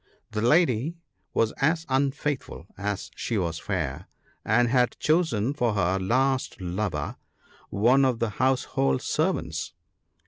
The lady was as unfaithful as she was fair, and had chosen for her last lover one of the household servants.